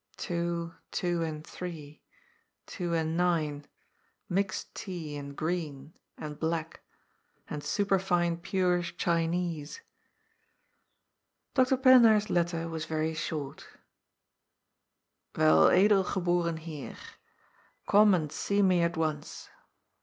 Two, two and three, two and nine. Mixed tea, and green, and black. And superfine pure Chinese. Dr. Pillenaar's letter was very short :" Wei Edel Geboren Heer : Come and see me at once.